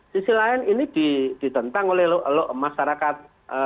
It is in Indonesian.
sisi lain ini ditentang oleh masyarakat